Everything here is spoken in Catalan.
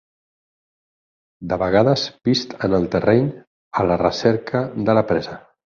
De vegades vist en el terreny a la recerca de la presa.